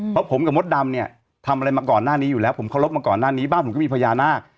เพราะผมกับมดดำเนี่ยทำอะไรมาก่อนหน้านี้อยู่แล้วผมเคารพมาก่อนหน้านี้บ้านผมก็มีพญานาค